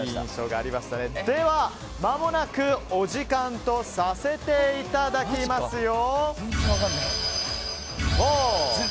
では、まもなくお時間とさせていただきますよ。